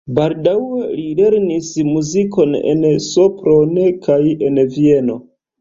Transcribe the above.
Baldaŭe li lernis muzikon en Sopron kaj en Vieno.